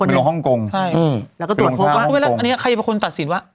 ลงฮ่องกงใช่อืมแล้วก็ตรวจพบว่าอันนี้ใครจะเป็นคนตัดสินว่า